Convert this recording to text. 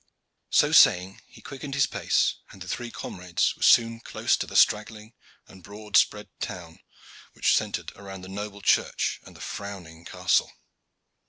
So saying, he quickened his pace, and the three comrades were soon close to the straggling and broad spread town which centered round the noble church and the frowning castle.